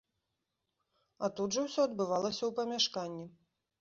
А тут жа ўсё адбывалася ў памяшканні.